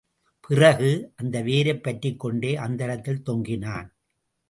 பிறகு, அந்த வேரைப் பற்றிக்கொண்டே அந்தரத்தில் தொங்கினான்.